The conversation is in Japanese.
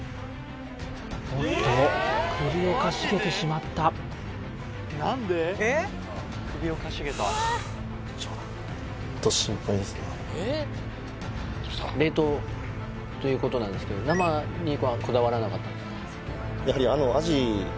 おっと首をかしげてしまった冷凍ということなんですけど生にはこだわらなかったんですか